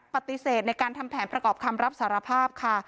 ปฏิเสธในการทำแผนประกอบคำรับสารภาพค่ะ